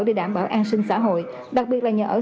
để đảm bảo an sinh xã hội đặc biệt là nhà ở xã hội